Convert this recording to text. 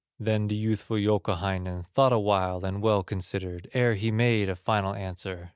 Then the youthful Youkahainen Thought awhile and well considered, Ere he made a final answer.